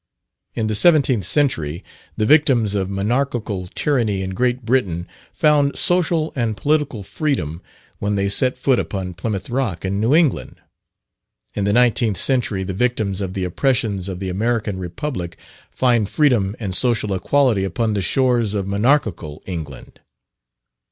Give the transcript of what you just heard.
In the seventeenth century the victims of monarchical tyranny in Great Britain found social and political freedom when they set foot upon Plymouth Rock in New England: in the nineteenth century the victims of the oppressions of the American Republic find freedom and social equality upon the shores of monarchical England.